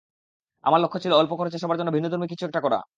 আমার লক্ষ্য ছিল অল্প খরচে সবার জন্য ভিন্নধর্মী কিছু একটা করা।